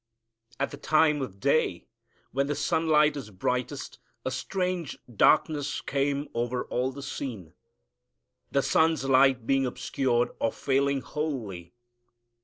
At the time of day when the sunlight is brightest a strange darkness came over all the scene, the sun's light being obscured or failing wholly.